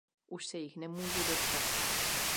Už se jich nemůžu dočkat.